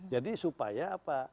jadi supaya apa